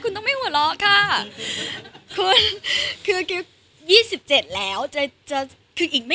คุณต้องไม่หัวเราะค่ะ